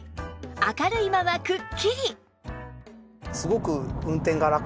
明るいままくっきり！